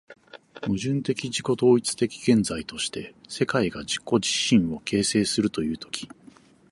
矛盾的自己同一的現在として、世界が自己自身を形成するという時、